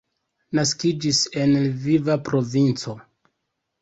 Naskiĝis en Lviva provinco.